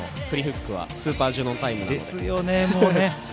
プリフィックはスーパーＪＵＮＯＮタイム。ですよね。